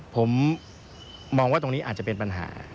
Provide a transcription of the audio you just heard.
ผมมองว่าตรงนี้อาจจะเป็นปัญหา